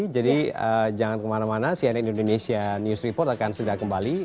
jangan kemana mana cnn indonesia news report akan segera kembali